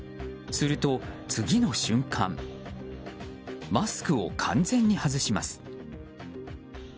すると、次の瞬間マスクを完全に外します。